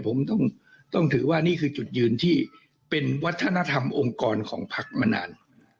ผมต้องถือว่านี่คือจุดยืนที่เป็นวัฒนธรรมองค์กรของพักมานาน